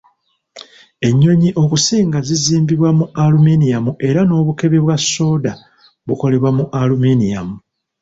Ennyonyi okusinga zizimbibwa mu aluminiyamu era n'obukebe bwa sooda bukolebwa mu aluminiyamu